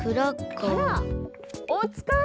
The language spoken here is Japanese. あらおつかい？